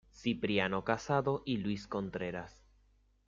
Cipriano Casado y Luis Contreras.